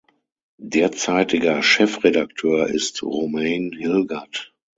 Derzeitiger Chefredakteur ist Romain Hilgert.